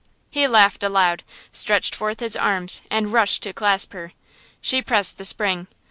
He laughed aloud, stretched forth his arms and rushed to clasp her. She pressed the spring.